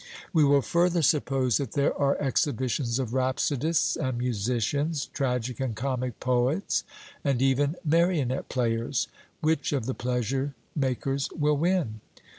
We will further suppose that there are exhibitions of rhapsodists and musicians, tragic and comic poets, and even marionette players which of the pleasure makers will win?